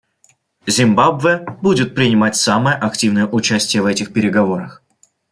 Зимбабве будет принимать самое активное участие в этих переговорах.